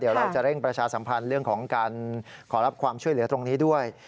เดี๋ยวเราจะเร่งประชาสัมพันธ์เรื่องของการขอรับความช่วยเหลือตรงนี้ด้วย